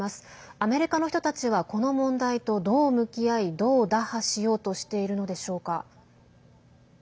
アメリカの人たちはこの問題とどう向き合いどう、打破しようとしているのでしょうか。